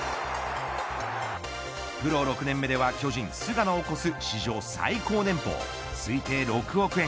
プロ６年目では巨人、菅野を超す史上最高年俸、推定６億円。